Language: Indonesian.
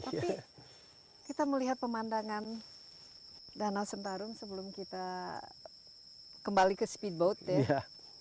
tapi kita melihat pemandangan danau sentarum sebelum kita kembali ke speedboat ya